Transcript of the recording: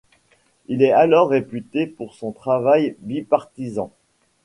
Il est alors réputé pour son travail bipartisan.